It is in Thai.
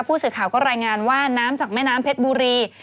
ผู้สื่อข่าวก็รายงานว่าน้ำจากแม่น้ำเพชรบุรี